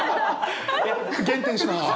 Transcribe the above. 減点します。